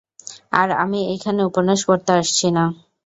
আর আমি এইখানে, উপন্যাস পড়তে আসছি না।